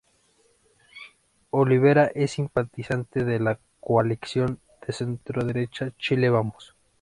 Olivera es simpatizante de la coalición de centroderecha Chile Vamos.